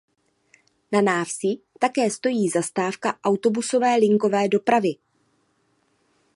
Na návsi také stojí zastávka autobusové linkové dopravy.